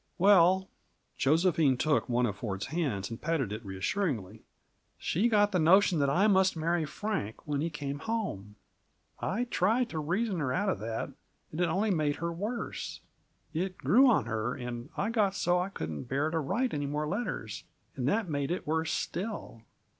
"Well," Josephine took one of Ford's hand and patted it reassuringly, "she got the notion that I must marry Frank, when he came home. I tried to reason her out of that, and it only made her worse. It grew on her, and I got so I couldn't bear to write any more letters, and that made it worse still.